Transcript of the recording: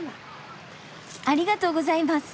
ありがとうございます。